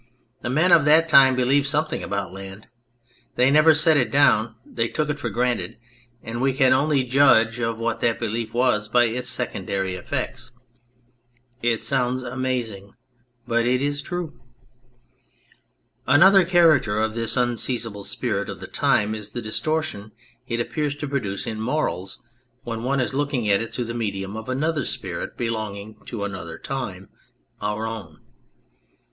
The men of that time believed something about land. They never set it down, they took it for granted ; and we can only judge of what that belief was by its secondary effects. It sounds amazing, but it is true. Another character of this unseizable spirit of the time is the distortion it appears to produce in morals when ene is looking at it through the medium of another spirit belonging to another time our own.